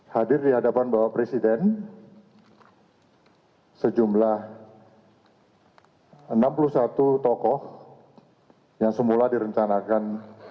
hadir di hadapan bapak presiden sejumlah enam puluh satu tokoh yang semula direncanakan